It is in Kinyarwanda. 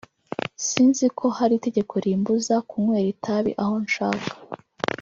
sinzi ko hari itegeko rimbuza kunywera itabi aho nshaka